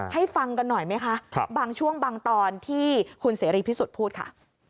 ฟังกันหน่อยไหมคะบางช่วงบางตอนที่คุณเสรีพิสุทธิ์พูดค่ะ